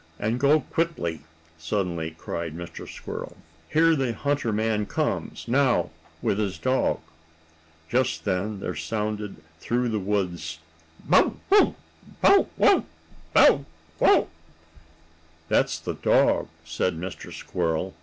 "And go quickly!" suddenly cried Mr. Squirrel. "Here the hunter man comes now with his dog." Just then there sounded through the woods: "Bow wow! Bow wow! Bow wow!" "That's the dog," said Mr. Squirrel.